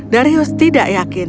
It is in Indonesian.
darius tidak yakin